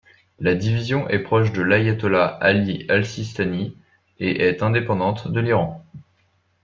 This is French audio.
La division est proche de l'ayatollah Ali al-Sistani et est indépendante de l'Iran.